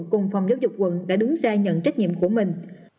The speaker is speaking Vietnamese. cùng phòng giáo dục quận đã đứng ra nhận trách nhiệm của mình